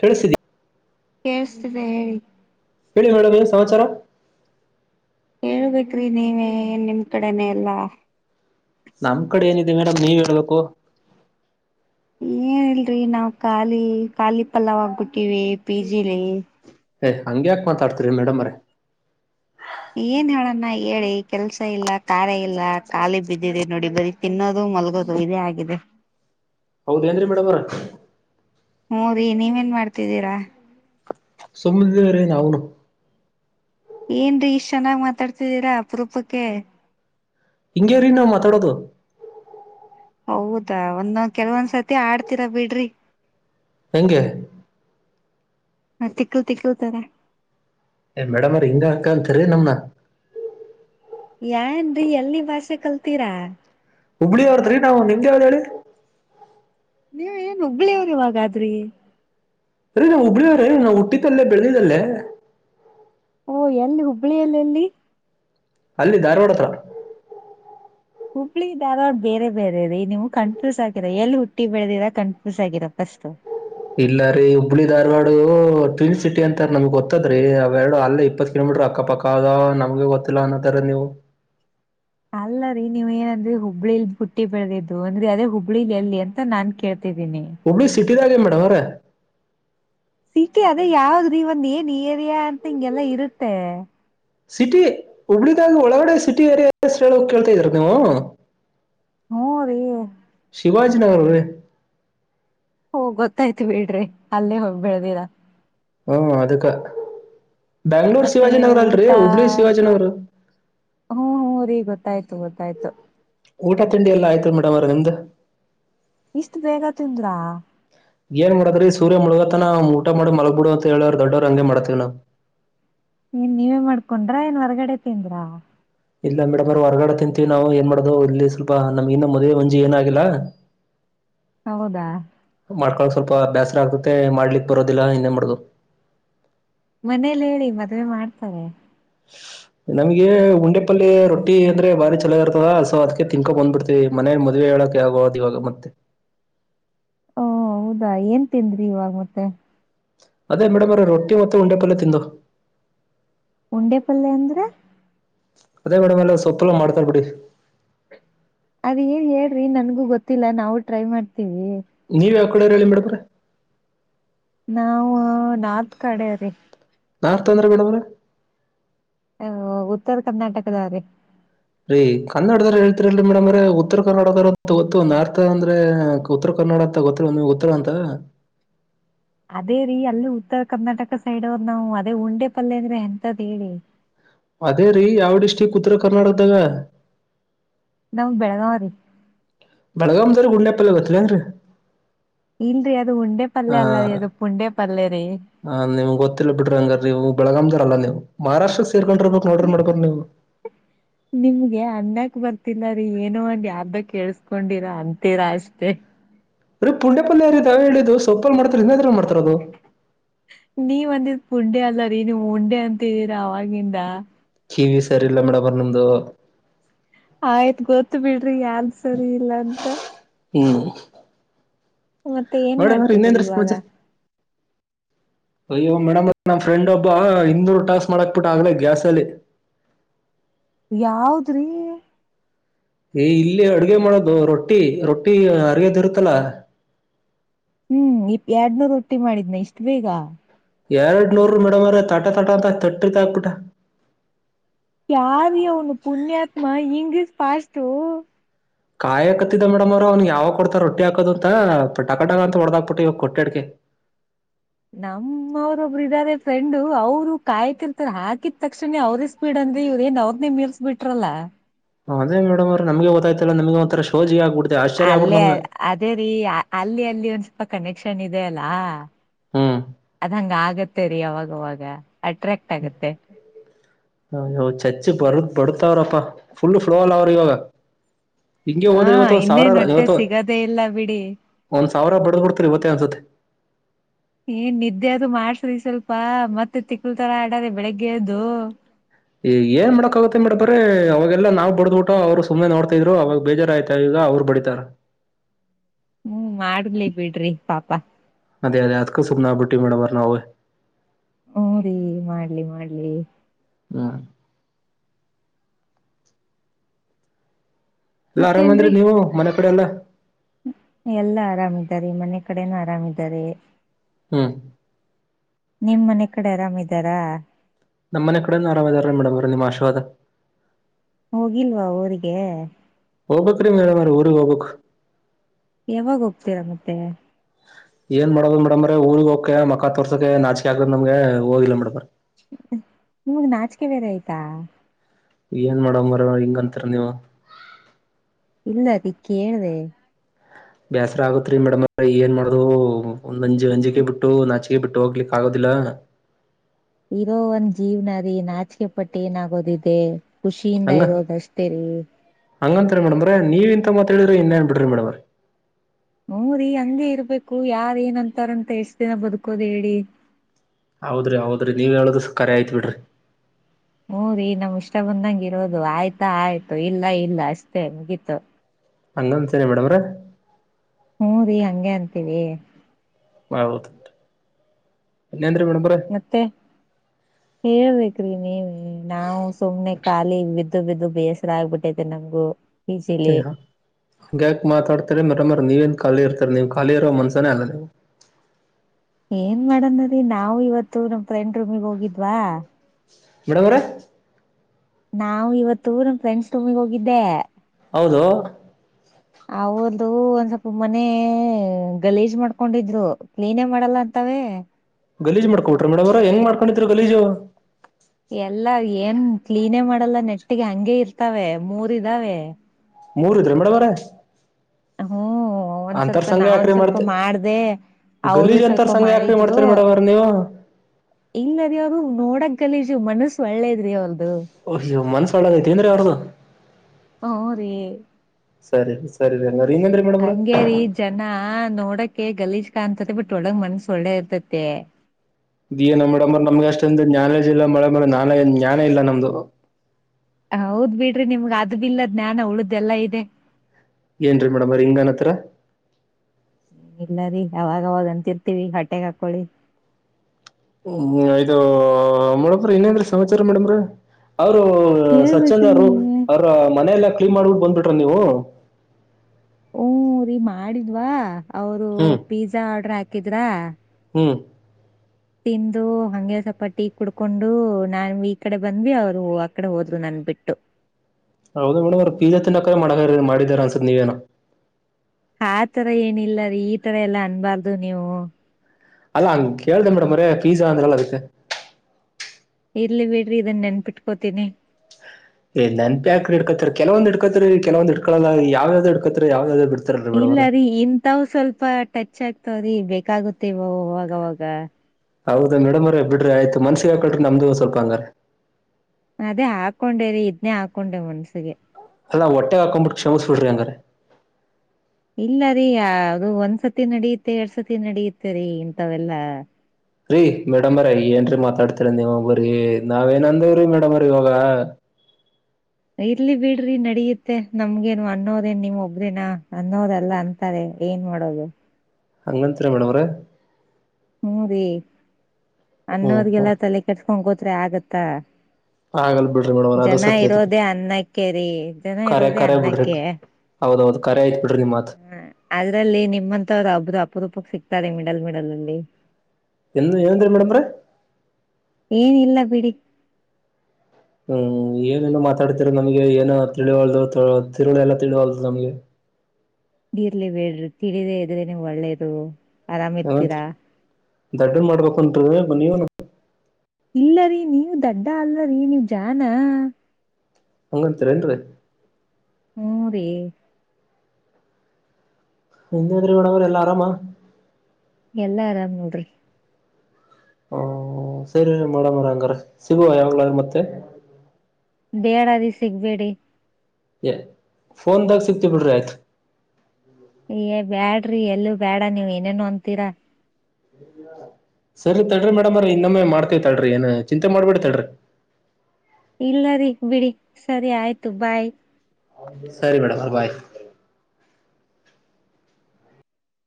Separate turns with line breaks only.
ತಿಳಿಸಿದಿ.
ಕೇಳ್ಸ್ತಿದೆ ಹೇಳಿ.
ಹೇಳಿ ಮೇಡಮ್ ಏನ್ ಸಮಾಚಾರ.
ಹೇಳ್ಬೇಕ್ರಿ ನೀವೇ ನಿಮ್ ಕಡೆನೆ ಎಲ್ಲಾ.
ನಮ್ ಕಡೆ ಏನಿದೆ ಮೇಡಮ್ ನೀವ್ ಹೇಳ್ಬೇಕು.
ಏನ ಇಲ್ರಿ ನಾವು ಖಾಲಿ ಖಾಲಿ ಪಲ್ಲಾವ್ ಆಗ್ಬಿಟ್ಟಿವಿ ಪಿಜಿಲಿ.
ಏ ಹಂಗ್ಯಾಕ ಮಾತಾಡ್ತಿರಿ ಮೇಡಮರೆ.
ಏನ್ ಹೇಳಣ ಹೇಳಿ ಕೆಲ್ಸ ಇಲ್ಲ ಕಾರ್ಯ ಇಲ್ಲ ಖಾಲಿ ಬಿದ್ದೀದಿನಿ ನೋಡಿ ಬರೀ. ತಿನ್ನೋದು ಮಲ್ಗೋದು ಇದೇ ಆಗಿದೆ.
ಹೌದ ಏನ್ರೀ ಮೇಡಮ್ಅವ್ರ.
ಹ್ಮ ರಿ ನೀವೇನ್ ಮಾಡ್ತಿದ್ದೀರಾ.
ಸುಮ್ನಿದೆರಿ ನಾವೂನು.
ಏನ್ರೀ ಇಷ್ ಚೆನ್ನಾಗ್ ಮಾತಾಡ್ತಿದೀರಾ ಅಪರೂಪಕ್ಕೆ.
ಹಿಂಗೆರಿ ನಾವು ಮಾತಾಡೋದು.
ಹೌದಾ ಒನಾಕ್ ಕೆಲವೊಂದ್ಸರ್ತಿ ಆಡ್ತೀರ ಬಿಡ್ರಿ.
ಹೆಂಗೆ.
ಹ ತಿಕ್ಕಳ ತಿಕ್ಕಳತರಾ.
ಏ ಮೇಡಮ್ ಅವ್ರ ಹಿಂಗ ಅಕ ಅಂತ್ರಿ ನಮ್ನ.
ಯಾನ್ರೀ ಎಲ್ಲಿ ಭಾಷೆ ಕಲ್ತೀರಾ.
ಹುಬ್ಳಿ ಅವೃದ್ರಿ ನಾವು ನಿಮ್ದ ಯಾವ್ದ ಹೇಳಿ.
ನೀವ ಏನ್ ಹುಬ್ಳಿ ಅವ್ರು ಯ.
ರೀ ನಾವ್ ಹುಬ್ಬಳ್ಳಿ ಅವ್ರೆ ನಾವ್ ಹುಟ್ಟಿದಲ್ಲೇ ಬೆಳದಿದಲ್ಲೇ.
ಓ ಎಲ್ಲಿ ಹುಬ್ಬಳ್ಳಿಯಲ್ಲಿ ಎಲ್ಲಿ.
ಅಲ್ಲಿ ಧಾರವಾಡ ಹತ್ರ.
ಹುಬ್ಬಳ್ಳಿ ಧಾರವಾಡ್ ಬೇರೆ ಬೇರೆ ರಿ ನಿಮ್ ಕನ್ಫ್ಯೂಸ್ ಆಗಿರಾ ಎಲ್ಲಿ ಹುಟ್ಟಿ ಬೆಳೆದಿರ ಕನ್ಫ್ಯೂಸ್ ಆಗಿರ ಫಸ್ಟು.
ಇಲ್ಲ ರೀ ಹುಬ್ಬಳ್ಳಿ ಧಾರವಾಡು ಟ್ವಿನ್ಸಿಟಿ ಅಂತ ನಮ್ಗ್ ಗೊತ್ತದ್ರೀ ಅವೆರಡು ಅಲ್ಲ ಇಪ್ಪತ್ ಕಿಲೋಮೀಟರ್ ಅಕ್ಕಪಕ್ಕ ಹೌದೌದು ನಮ್ಗಬಿ ಗೊತ್ತಿಲ್ಲ ಅನ್ನೋತ್ತರ ನೀವು
ಅಲ್ಲ ರೀ ನೀವ ಏನಂದ್ರಿ ಹುಬ್ಬಳಿಲ್ ಹುಟ್ಟಿ ಬೆಳೆದಿದ್ದು ಅಂದ್ರಿ ಅದೇ ಹುಬ್ಬಳಿಲ್ ಎಲ್ಲಿ ಅಂತ ನಾನ್ ಕೇಳ್ತಿದ್ದೀನಿ.
ಹುಬ್ಬಳಿ ಸಿಟಿದಾಗೆ ಮೇಡಮ್ ಅವ್ರ.
ಸಿಟಿ ಅದೇ ಯಾವ್ದ ಒಂದ ಏನ್ ಏರಿಯಾ ಅಂತ ಹಿಂಗೆಲ್ಲಾ ಇರುತ್ತೆ.
ಸಿಟಿ ಹುಬ್ಬಳ್ಳಿದಾಗ ಒಳಗಡೆ ಸಿಟಿ ಏರಿಯಾ ಹೆಸರ್ ಏನೊ ಕೇಳ್ತಾ ಇದ್ರ ನೀವು.
ಹ್ಮ ರೀ
ಶಿವಾಜಿನಗರ ರೀ.
ಹೋ ಗೊತ್ತಾಯ್ತು ಬಿಡ್ರಿ ಅಲ್ಲೇ ಹೋಬ ಬೆಳ್ದಿರಾ.
ಹ್ಮ ಅದಕ್ಕ ಬೆಂಗಳೂರ
ಮತ್ತೆ
ಶಿವಾಜಿನಗರ ಅಲ್ರೀ
ಊಟ
ಹುಬ್ಳಿ ಶಿವಾಜಿನಗರ.
ಹ್ಮ್ ಹ್ಮ್ ರೀ ಗೊತ್ತಾಯ್ತು ಗೊತ್ತಾಯ್ತು.
ಊಟ ತಿಂಡಿ ಎಲ್ಲ ಆಯ್ತು ಮೇಡಮ್ರೇ ನಿಮ್ದ.
ಇಷ್ಟು ಬೇಗ ತಿಂದ್ರಾ.
ಏನ್ ಮಾಡದ್ರೀ ಸೂರ್ಯ ಮುಳಗತನ ಊಟ ಮಾಡಿ ಮಲಗ್ ಬಿಡು ಅಂತ ಹೇಳವ್ರ ದೊಡ್ಡೋವ್ರ ಹಂಗೆ ಮಾಡ್ತೀವ್ ನಾವ್.
ನಿಮ್ ನೀವೇ ಮಾಡ್ಕೊಂಡ್ರಾ ಏನ್ ಹೊರ್ಗಡೆ ತಿಂದ್ರಾ.
ಇಲ್ಲ ಮೇಡಮ ಅವ್ರ ಹೊರ್ಗಡೆ ತಿಂತೀವಿ ನಾವು ಏನ್ ಮಾಡದು ಇಲ್ಲಿ ಸ್ವಲ್ಪ ನಮ್ಗ ಇನ್ನ ಮದವಿ ಮುಂಜಿ ಏನು ಆಗಿಲ್ಲಾ.
ಹೌದಾ
ಮಾಡ್ಕೊಳಕ್ ಸ್ವಲ್ಪ ಬ್ಯಾಸರ ಆಗತ್ತೆ ಮಾಡ್ಲಿಕ್ ಬರೋದಿಲ್ಲಾ ಇನ್ನೆನ್ ಮಾಡ್ದು.
ಮನೇಲಿ ಹೇಳಿ ಮದ್ವೆ ಮಾಡ್ತಾರೆ. [inaudible]
ನಮ್ಗೆ ಉಂಡೆ ಪಲ್ಯ ರೊಟ್ಟಿ ಅಂದ್ರೆ ಭಾರಿ ಚಲೋ ಇರ್ತದ ಸೊ ಅದ್ಕೆ ತಿನ್ಕೊ ಬಂದ್ಬಿಡ್ತ ತ್ತೆ ಮನ್ಯಾಗ ಮದವೆ ಹೇಳಕೆ ಆಗುವದು ಇವಾಗ ಮತ್ತೆ.
ಓ ಹೌದಾ ಏನ್ ತಿಂದ್ರಿ ಇವಾಗ ಮತ್ತೆ.
ಅದೇ ಮೇಡಮ ಅವ್ರೆ ರೊಟ್ಟಿ ಮತ್ತ ಉಂಡೆ ಪಲ್ಯ ತಿಂದು
ಉಂಡೆ ಪಲ್ಯ ಅಂದ್ರೆ.
ಅದೇ ಮೇಡಮಲ್ಲಿ ಸೊಪ್ಪ್ ಎಲ್ಲ ಮಾಡ್ತಾರ್ ಬಿಡಿ.
ಅದ ಏನ್ ಹೇಳ್ರಿ ನನ್ಗೂ ಗೊತ್ತಿಲ್ಲ ನಾವು ಟ್ರೈ ಮಾಡ್ತೀವಿ.
ನೀವ್ ಯಾವ್ ಕಡೆರ್ ಹೇಳಿ ಮೇಡಂಮೋರೆ.
ನಾವು ನಾರ್ತ್ ಕಡೆ ರೀ.
ನಾರ್ತ್ ಅಂದ್ರೆ ಮೇಡಂಮೊರೆ.
ಹ ಉತ್ತರ ಕರ್ನಾಟಕದವ್ರೀ.
ರೀ ಕನ್ನಡದ ಹೇಳ್ತಿರ್ಲ್ರಿ ಮೇಡಮ್ರೆ ಉತ್ತರ ಕರ್ನಾಟಕ ಗೊತ್ತು ನಾರ್ತ್ ಅಂದ್ರೆ. ಉತ್ತರ ಕರ್ನಾಡ ಅಂತ ಗೊತ್ತ ನಿಮ್ಗ್ ಉತ್ತರ ಅಂತರೆ.
ಅದೇ ರೀ ಅಲ್ಲಿ ಉತ್ತರ ಕರ್ನಾಟಕ ಸೈಡ್ ಅವ್ರ್ ನಾವು ಅದೇ ಉಂಡೆ ಪಲ್ಯ ಅಂದ್ರೆ ಎಂತದ್ ಹೇಳಿ.
ಅದೇ ರೀ ಯಾವ ಡಿಸ್ಟಿಕ್ ಉತ್ತರ ಕರ್ನಾಟಕದಗ.
ನಮ್ ಬೆಳಗಾವ್ ರೀ.
ಬೆಳಗಾಮ್ದೋರ್ಗೆ ಗುಂಡ್ಯಾಪ್ಪಲ್ಲ ಗತ್ತಲ್ಲೇನ್ರೀ.
ಇಲ್ರರಿ ಅದು ಉಂಡೆಪಲ್ಯ ಅಲ್ಲ ರೀ ಅದು ಪುಂಡೆ ಪಲ್ಲೆ ರೀ.
ಹ ನಿಮಗೊತ್ತಿಲ್ಲ ಬಿಡ್ರಿ ಹಂಗಾರ್ರ್ ನೀವು ಬೆಳಗಾಂದವರಲ್ಲ ನೀವು ಮಹಾರಾಷ್ಟ್ರ ಸೇರ್ಕೊಂಡಿರ್ಬೇಕ ನೋಡ್ರೀ ಮೇಡಮ್ಮೋರೆ ನೀವು.
ನಿಮ್ಗೆ ಅನ್ನಕ್ ಬರ್ತಿಲ್ಲ ರೀ ಏನೋ ಒಂದ್ ಆಪಾಗ್ ಕೇಳಿಸಿಕೊಂಡಿರಾ ಅಂತೀರಾ ಅಷ್ಟೇ.
[unintelligible] ಯಾರಾವ ಹೇಳಿದು ಸೊಪ್ಪಲ್ ಮಾಡತಾರ ಎನ್ದ್ರಾಗ ಮಾಡ್ತಾರ ಅದು.
ನೀವ ಅಂದಿದ್ ಪುಂಡೆ ಅಲ್ಲರೀ ನೀವು ಉಂಡೆ ಅಂತಿದ್ದೀರ ಅವಾಗಿಂದ.
ಕಿವಿ ಸರಿ ಇಲ್ಲ ಮೇಡಮೋರ್ ನಮ್ದು.
ಆಯ್ತ್ ಗೊತ್ ಬಿಡ್ರಿ ಯಾರ್ದ್ ಸರಿ ಇಲ್ಲ ಅಂತ.
ಹ್ಮ್
ಮತ್ತೆ ಏನ್
ಮೇಡಮ್ ಅವ್ರೆ
ಮಾಡ್ತಿದ್ರಿ
ಇನ್ನೇನ್ರಿ
ಇವಾಗ.
ಅಯ್ಯ ಮೇಡಮೋರೆ ನಮ್ಮ್ ಫ್ರೆಂಡ್ ಒಬ್ಬ ಇನ್ನೂರು ಟಾಸ್ಕ್ ಮಾಡಕ್ ಬಿಟ್ಟು ಆಗ್ಲೇ ಗ್ಯಾಸ್ ಅಲ್ಲಿ.
ಯಾವದ್ರಿ.
ಏ ಇಲ್ಲಿ ಅಡುಗೆ ಮಾಡೋದು ರೊಟ್ಟಿ ರೊಟ್ಟಿ ಅರ್ಯದ್ ಇರುತ್ತಲಾ.
ಹ್ಮ್ ಇ ಎರಡ್ನೂರ್ ರೊಟ್ಟಿ ಮಾಡಿದ್ನ ಇಷ್ಟ್ ಬೇಗ.
ಎರಡ್ ನೂರು ಮೇಡಮೋರೆ ತಟ ತಟ ಅಂತ ತಟ್ಟಿರ್ತ ಹಾಕ್ಬಿಟ್ಟ.
ಯಾರೀ ಅವನು ಪುಣ್ಯಾತ್ಮ ಹಿಂಗಿಸ್ ಫಾಸ್ಟು.
ಕಾಯ ಕತ್ತಿದ್ದ ಮೇಡಮೋರೆ ಅವನು ಯಾವಾಗ ಕೊಡ್ತಾರೆ ರೊಟ್ಟಿ ಹಾಕದು ಅಂತ ಪಟಪಟ ಅಂತ ಹೊಡದಕ್ಬುಟ್ಟ ಇವಾಗ ಕೊಟ್ಟೇಟಗೆ.
ನಮ್ಮ ಅವ್ರೊಬ್ಬರು ಇದಾರೆ ಫ್ರೆಂಡು ಅವರು ಕಾಯ್ತಿರ್ತಾರ ಹಾಕಿದ ತಕ್ಷಣ ಅವ್ರಷ್ಟ್ ಸ್ಪೀಡ್ ಅಂದ್ರೇ ಇವ್ರ ಏನ್ ಅವ್ರನೇ ಮೇರ್ಸ್ ಬಿಟ್ರಲ್ಲ.
ಅದೇ ಮೇಡಮ್ ಮೋರೇ ನಮಗೆ ಗೊತ್ತಾಗ್ತಾ ಇಲ್ಲ ಒಂತರ ಸೋಜಿಗಾಯ ಆಶ್ಚರ್ಯ ಆಗೋಗ್ಬಿಡ್ತು
ಅಲ್ಲೇ
ನಮಗೆ.
ಅದೇ ರೀ ಅಲ್ಲಿ ಅಲ್ಲಿ ಒಂದ್ ಸ್ವಲ್ಪ ಕನೆಕ್ಷನ್ ಇದೆ ಅಲ್ಲಾ.
ಹ್ಮ್
ಅದ್ ಹಂಗ ಆಗತ್ತೆ ರೀ ಅವಾಗವಾಗ ಅಟ್ರಾಕ್ಟ್ ಆಗತ್ತೆ.
ಹ ಅಯ್ಯೋ ಚಚ್ಚಿ ಬರುತ್ ಬರುತಾವ್ರಪ್ಪ ಫುಲ್ ಫ್ಲೋಲ್ ಅವ್ರೇ ಇವಾಗ. ಹಿಂಗೆ
ಹ
ಹೋದ್ರೆ ಇವತ್ತು ಒಂದ್ ಸಾವಿರ
ಇನ್ನೇನ್ ಹೊಟ್ಟೆ
ಇವತ್ತು
ಸಿಗದೇ ಇಲ್ಲ ಬಿಡಿ
ಒಂದ್ ಸಾವಿರ ಬಡುದ್ ಬಿಡ್ತರೆ ಇವತ್ತೇ ಅನ್ಸುತ್ತೆ.
ಏನ್ ನಿದ್ದೆ ಅದು ಮಾಡ್ಸ್ರಿ ಸ್ವಲ್ಪ ಮತ್ತೆ ತಿಕ್ಕಲ್ ತರಾ ಆಡರು ಬೆಳಿಗ್ಗೆ ಎದ್ದು.
ಏ ಏನ್ ಮಾಡಕ್ ಆಗುತ್ತೇ ಮೇಡಮ್ಮೋರೇ ಅವಾಗೆಲ್ಲ ನಾವ್ ಬಡುದ್ಬುಟ್ಟೋ ಅವರು ಸುಮ್ಮನೆ ನೋಡ್ತಿದ್ರು ಅವಾಗ ಬೇಜಾರಾಯ್ತು. ಈಗ ಅವ್ರು ಬಡಿತಾರ.
ಹ್ಮ್ ಮಾಡಲಿ ಬಿಡ್ರೀ ಪಾಪ.
ಅದೇ ಅದೇ ಅದಕ್ಕ ಸುಮ್ನಾಗ್ಬಿಟ್ವಿ ಮೇಡಂ ಅವ್ರೆ ನಾವು.
ಓ ರೀ ಮಾಡ್ಲಿ ಮಾಡ್ಲಿ.
ಹ್ಮ ಇಲ್ಲ ಆರಾಮ್ ಅಂದ್ರೆ
ಮತ್ತೇನ್ರೀ
ನೀವು ಮನೆ ಕಡೆ ಎಲ್ಲಾ.
ಎಲ್ಲ ಆರಾಮಿದ್ದಾರೆ ಮನೆ ಕಡೆನು ಆರಾಮಿದಾರೆ.
ಹ್ಮ್
ನಿಮ್ ಮನೆ ಕಡೆ ಆರಾಮ ಇದ್ದೀರಾ.
ನಮ್ಮ ಮನೆ ಕಡೆೇನು ಆರಾಮ ಇದಾರೆ ಮೇಡ್ರು ನಿಮ್ಮ ಆಶೀರ್ವಾದ.
ಹೋಗಿಲ್ವಾ ಊರಿಗೆ.
ಹೋಗ್ಬೇಕ ರೀ ಮೇಡಮ್ ಅವರೇ ಊರಿಗ ಹೋಗ್ಬೇಕ.
ಯಾವಾಗ ಹೋಗ್ತೀರಾ ಮತ್ತೆ.
ಏನ್ ಮಾಡೋದು ಮೇಡಮ್ ರೇ ಊರ್ಗ ಹೋಗಕ ಮಕ್ಕ ತೋರ್ಸಕೆ ನಾಚಿಕೆ ಆಕದ ನಮಗೆ ಹೋಗಿಲ್ಲ ಮೇಡಮ್ರರಿ.
ನಿಮಗ ನಾಚಿಕೆ ಬೇರೆ ಆಯ್ತಾ.
ಏನ್ ಮಡೆಮ್ ಅವ್ರೆ ಹಿಂಗ ಅಂತರ ನೀವು.
ಇಲ್ಲರೀ ಕೇಳ್ದ.
ಬ್ಯಾಸ್ರ ಆಗತ್ರಿ ಮೇಡಮ್ ಅವ್ರೆ ಏನ್ ಮಾಡೋದು ಒಂದುಂಜ ಅಂಜಿಕೆ ಬಿಟ್ಟು ನಾಚಿಕೆ ಬಿಟ್ಟು ಹೋಗ್ಲಿಕ ಆಗೋದಿಲ್ಲಾ.
ಇರೋ ಒಂದ ಜೀವ್ನರೀ ನಾಚಿಕೆ ಪಟ್ಟ ಏನಾಗೋದಿದೆ. ಖುಷಿಯಿಂದ ಇರೋದಷ್ಟೇ ರೀ.
ಹಂಗಂತರಿ ಮೇಡಮ್ರೀ ನೀವ ಇಂತ ಹೇಳಿದ್ರೆ ಇನ್ನೇನ ಬಿಡ್ರಿ ಮೇಡಮರ.
ಹೂರಿ ಹಂಗೆ ಇರ್ಬೇಕು ಯಾರ್ ಏನಂತಾರಂತ ಎಷ್ಟ್ ದಿನ ಬದುಕೋದು ಹೇಳಿ.
ಹೌದ್ರಿ ಹೌದಿ ನೀವ್ ಹೇಳುದ ಖರಿ ಆಯ್ತ ಬಿಡ್ರಿ.
ಹರೀ ನಮ್ ಇಷ್ಟ ಬಂದಂಗ ಇರೋದು ಆಯ್ತಾ ಆಯ್ತು ಇಲ್ಲ ಇಲ್ಲ ಅಷ್ಟೇ ಮುಗೀತು.
ಹಂಗಂತಿರ ಮೇಡಮ್ರರೆ.
ಹೂ ರಿ ಹಂಗೆ ಅಂತೀವಿ.
ಹೌದ ಇನ್ನೇನ್ರಿ ಮೇಡಂ ಅವ್ರೆ.
ಮತ್ತೆ ಹೇಳ್ಬೇಕ್ರಿ ನೀವೆ ನಾವ ಸುಮ್ನೆ ಖಾಲಿ ಬಿದ್ದು ಬಿದ್ದು ಬೇಸರ ಆಗ್ಬಿಟ್ಟೈತೆ ನಮಗು
ಅಯಾ ಹಂಗ್ಯಾಕ ಮಾತಾಡ್ತರಿ ಮರ ನೀವೇನ್ ಖಾಲಿ ಇರ್ತರ ನೀವು ಖಾಲಿ ಇರೋ ಮನ್ಸನೇ ಅಲ್ಲ ನೀವು.
ಏನ್ ಮಾಡನರೀ ನಾವು ಇವತ್ತು ನಮ್ ಫ್ರೆಂಡ್ ರೂಮಿಗ ಹೋಗಿದ್ವಾ.
ಮೇಡಮ್ ಅವ್ರೆ
ನಾವು ಇವತ್ತು ನಮ ಫ್ರೆಂಡ್ಸ್ ರೂಮಿಗ ಹೋಗಿದ್ದೆ.
ಹೌದು.
ಅವ್ರದು ಒಂದ್ ಸ್ವಲ್ಪ ಮನೆ ಗಲೀಜ್ ಮಾಡ್ಕೊಂಡಿದ್ರು ಕ್ಲೀನೇ ಮಾಡಲ್ಲ ಅಂತಾವೇ.
ಗಲೀಜ್ ಮಾಡಕಟ್ರ ಮೇಡಮ್ರ ಹೆಂಗ್ ಮಾಡ್ಕೊಂಡಿದ್ರು ಗಲೀಜು.
ಎಲ್ಲ ಏನ್ ಕ್ಲೀನೇ ಮಾಡಲ್ಲ ನೆಟ್ಟಿಗೆ ಹಂಗೆ ಇರ್ತಾವೆ ಮೂರ್ ಇದ್ದಾವೆ.
ಮೂರ್ ಇದ್ರ ಮೇಡಮರೇ.
ಹ್ಮ ಒಂದ್
ಅಂತರ
ಸ್ವಲ್ಪ
ಸಂಘ
ನಾವೊಂದ್
ಯಾಕ್ರ
ಸ್ವಲ್ಪ
ಮಾಡ್ತ
ಮಾಡ್ದೆ ಅವರು
ಗಲೀಜ್ ಅಂತರ
ಸ್ವಲ್ಪ
ಸಂಘ ಯಾಕ್ರ ಮಾಡ್ತರಿ ಮೇಡಮ್ ಅವ್ರೆ ನೀವು.
ಇಲ್ಲ ರೀ ಅವ್ರು ನೋಡಕ ಗಲೀಜು ಮನಸ ಒಳ್ಳೇದ್ರೀ ಅವ್ರದು.
ಅಯ್ಯೋ ಮನ್ಸ ಒಳದೈತಿ ಏನ್ರಿ ಅವರ್ದು
ಹ್ಮ ರೀ
ಸರಿ. ಸರಿರೀ ಇನ್ನೇನ್ರಿ ಮೇಡಮ್ ಅವ್ರ
ಹಂಗೇರಿ ಜನ ನೋಡಕೆ ಗಲೀಜ್ ಕಾಣಂತದೆ ಬಟ್ ಒಳಗ್ ಮನ್ಸ ಒಳ್ಳೆ ಇರ್ತತೆ.
ಏನೋ ಮೇಡಂ ಅವ್ರೆ ನಮ್ಗ ಅಷ್ಟೊಂದ ನಾಲೇಡ್ಜ್ ಮೇಡಂ ಅವ್ರೆ ಮ್ರ ನಾನೇ ಜ್ಞಾನ ಇಲ್ಲ ನಮ್ದು.
ಹೌದ ಬಿಡ್ರಿ ನಿಮ್ಗ ಅದ ಬಿಲ್ಲ ಜ್ಞಾನ ಉಳ್ದ ಎಲ್ಲ ಇದೆ.
ಏನ್ರಿ ಮೇಡಮ್ರ ಹಿಂಗನ್ನತ್ರ.
ಇಲ್ಲ ರೀ ಅವಾಗವಾಗ ಅಂತ ಇರ್ತಿವಿ ಹಟ್ಟೆಗ ಹಾಕೊಳ್ಳಿ.
ಹ್ಮ ಇದು ಮೇಡಮ್ರಿ ಇನ್ನೇನ್ರೀ ಸಮಾಚಾರ ಮೇಡಮ್ರ ಅವರು
ಹೇಳ್ಬೇಕ್ರಿ
ಸಚ್ಚಂದರು
ನೀವೇ
ಅವ್ರ ಮನೆೆಯಲ್ಲ ಕ್ಲೀನ್ ಮಾಡ್ಬಿಟ್ಟು ಬಂದ್ಬಿಟ್ರ ನೀವು
ಹು ರೀ ಮಾಡಿದ್ವಾ ಅವರು
ಹ್ಮ.
ಪಿಜಾ ಆರ್ಡ್ರ್ ಹಾಕಿದ್ರಾ.
ಹ್ಮ.
ತಿಂದು ಹಂಗೆ ಸಪ ಟಿ ಕುಡ್ಕೊಂಡು ನಾ ಈ ಕಡೆ ಬಂದ್ವಿ ಅವ್ರು ಆ ಕಡೆ ಹೋದ್ರು ನನ್ ಬಿಟ್ಟು.
ಹೌದು ಮೇಡಮ್ ಅವ್ರೆ ಪೀಜಾ ತಿನ್ನಕ್ರ ಮಾಡ ಮಾಡಿದಾರ ಅನ್ಸತ್ ನೀವೇನ.
ಆ ತರ ಏನಿಲ್ಲ ರೀ ಈ ತರ ಎಲ್ಲಾ ಅನ್ಬಾರ್ದು ನೀವು
ಅಲ್ಲ ಹಂಗ್ ಕೇಳ್ದಿದೆೆ ಮೇಡಮ್ ಅರೆ ಪೀಜಾ ಅಂದ್ರ ಅಲ ಅದಿಕ್ಕೆ
ಇರ್ಲಿ ಬಿಡ್ರಿ ಇದನ್ನ ನೆನ್ಪಿಟ್ಕೋತೀನಿ
ಏ ನೆನಪ ಯಾಕ್ರಿ ಇಟ್ಕೊತೀರಾ ಕೆಲವೊಂದ ಇಟ್ಕೋತೀರಿ ಕೆಲವಂದ ಎಟ್ಕಳಲ್ಲ ಯಾವ ಹಡ್ಕತ್ರಿ ಯಾವ
ಇಲ್ಲ ರೀ ಇಂತವ ಸ್ವಲ್ಪ ಟಚ್ ಆಗ್ತವ್ರೀ ಬೇಕಾಗುತ್ತೆವವಾಗವಾಗ
ಹೌದ ಮೇಡಮ್ ಅವ್ರೆ ಬಿಡ್ರಿ ಆಯ್ತು ಮನ್ಸಿಗ ಹಾಕೋಳ್ರಿ ನಮ್ದು ಸ್ವಲ್ಪ ಹಂಗರೇ
ಅದೇ ಹಾಕೊಂಡೆ ರೀ ಇದ್ನೇ ಹಾಕೊಂಡೆ ಮನ್ಸಿಗೆ
ಅಲ್ಲಾ ಹೊಟ್ಟೆ ಹಾಕ್ಂಬಿಟ್ಟ ಕ್ಷಮಸ ಬಿಡ್ರಿಂಗಾರ
ಇಲ್ಲ ರೀ ಆ ಅದು ಒಂದ್ಸತಿ ನಡಿಯುತ್ತೆ ಎರಡ್ ಸತಿ ನಡಿಯತ್ತೆರಿ ಇಂತವೆೆಲ್ಲಾ
ರಿ ಮೇಡಮರೇ ಏನ್ರೀ ಮಾತಾಡ್ತಿರ ನೀವು ಬರಿ ನಾವ್ಏನ್ ಅಂದವ್ರೀ ಮೇಡಮ್ರೀ ಇವಾಗ
ಇರ್ಲ್ಲಿ ಬಿಡ್ರಿ ನಡಿಯುತ್ತೆ ನಮ್ಗೇನು ಅನ್ನೋದೇನ ನಿ ಒಬ್ರೇನಾ ಅನ್ನೋದಲ್ಲ ಅಂ ತಾರೆ ಏನ್ ಮಾಡೋದು.
ಹಂಗಂತಿರಾ ಮೇಡಮ್ ಅವ್ರೆ
ಹ್ಮರಿ
ಹ್ಮ್ ಹ್ಮ್
ಅನ್ನವರ್ಗೆಲ್ಲಾ ತಲೆ ಕಟ್ಸ್ಕೊಂಡ ಕೂತ್ರೆ ಆಗತ್ತ.
ಆಗಲ್ ಬಿಡ್ರಿ ಮೇಡಮ್ ಅದು
ಜನ
ಸತ್ಯ ಐತಿ
ಇರೋದೆೇ ಅನ್ನಕ್ಕೆ ರೀ ಜನ ಇರೋದೇ ಅನ್ನಕ್ಕೆ.
ಹೌದೌದ ಕರೆ ಐತ ಬಿಡ್ರಿ ಮಾತ್.
ಹ ಅದ್ರಲ್ಲಿ ನಿಮ್ಮಂತ ಅವರ ಒಬ್ಬರ ಅಪರೂಪಕ ಸಿಕ್ತಾರೆ ಮಿಡಲ್ ಮಿಡಲ್ ಅಲ್ಲಿ
ಎನ್ ಏನ್ ರ ಮೇಡಮ್ರೇ
ಏನಿಲ್ಲ ಬಿಡಿ.
ಹ್ಮ ಏನೇನು ಮಾತಾಡ್ತಿರ ನಮಗೆ ಏನ ತಿಳಿಯುವಲ್ದು ತಿರುಳಿ ಎಲ್ಲಾ ತಿಳಿಯುವಲ್ದು ನಮ್ಗೆ
ಇರ್ಲಿ ಬಿಡ್ರಿ ತಿಳಿದೇ ಇದ್ರೆನೆ ಒಳ್ಳೇದು. ಆರಾಮ್
ಹತ್ರಿ
ಇರ್ತೀರಾ
ದಡ್ ಮಾಡ್ಬೇಕಂತ ನೀವ
ಇಲ್ಲರಿ ನೀವ ದಡ್ಡ ಅಲ್ಲರಿ ನೀವ ಜಾಣ.
ಹಂಗಂತರ ಏನ್ರಿ.
ಹೂರೀ.
ನಿಂದಂದ್ರೆ ಮೇಡಂ ಅರೆ ಎಲ್ಲ ಆರಾಮ
ಎಲ್ಲಾ ಆರಾಮ್ ನೋಡ್ರಿ
ಹ ಸರಿರೀ ಮೇಡಂ ಅವ್ರೆ ಹಂಗಾರ ಸಿಗುವ ಯಾವಾಗ್ಲ ಮತ್ತೆ
ಬೇಡರೀ ಸಿಗ್ಬೇಡಿ
ಯ ಫೋನ್ದಾಗ ಸಿಕ್ತ ಬಿಡ್ರಿ ಆಯ್ತು.
ಯ ಬ್ಯಾಡ್ರಿ ಎಲ್ಲೂ ಬೇಡ ನೀವ್ ಏನೇನು ಅಂತೀರಾ.
ಸರಿ ತಡ್ರಿ ಮೇಡಮ್ರ ಇನ್ನೊಮ್ಮೆ ಮಾಡ್ತೇವ ತಡಿರಿ ಏನ್ ಚಿಂತೆ ಮಾಡ್ಬೇಡಿ ತಡ್ರಿ
ಇಲ್ಲ ರೀ ಬಿಡಿ ಸರಿ ಆಯ್ತು ಬಾಯ್.
ಸರಿ ಮೇಡಮ್ ಅರಾ ಬಾಯ್.